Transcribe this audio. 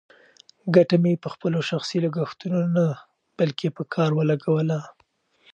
ګټه مې په خپلو شخصي لګښتونو نه، بلکې په کار ولګوله.